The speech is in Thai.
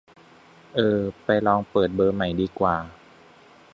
เออ ไปลองเปิดเบอร์ใหม่ดีกว่า